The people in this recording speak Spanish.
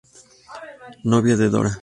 Novio de Dora.